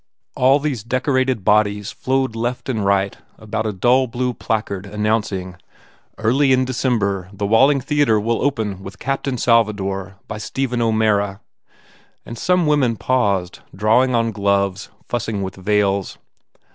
All these decorated bodies flowed left and right about a dull blue placard announcing, u Early in December The Walling Theatre will open with Captain Salvador by Stephen O Mara," and some women paused, draw ing on gloves, fussing with veils.